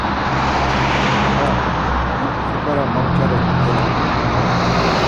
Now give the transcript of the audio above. Baba, hem supara momçarei gela?